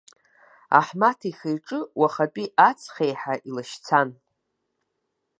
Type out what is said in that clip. Аҳмаҭ ихы-иҿы уахатәи аҵх еиҳа илашьцан.